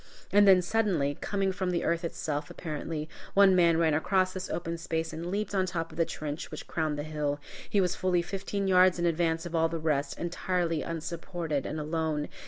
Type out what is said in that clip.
And then, suddenly, coming from the earth itself, apparently, one man ran across this open space and leaped on top of the trench which crowned the hill. He was fully fifteen yards in advance of all the rest, entirely unsupported, and alone.